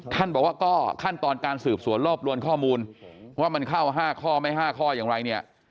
ท่านบอกว่าก็ขั้นตอนการสืบสวนรวบรวมข้อมูลว่ามันเข้า๕ข้อไม่๕ข้ออย่างไรเนี่ย